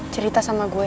cerita sama gue